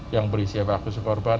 yang berisi evakuasi korban